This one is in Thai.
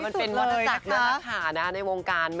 มันเป็นวรรณรักมากค่ะนะในวงการ